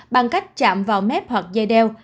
bằng cách chạm vào mép hoặc dây đeo